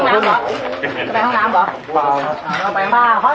ห้องน้ำก่อน